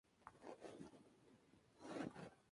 Habita en Georgia, Armenia y Turquía.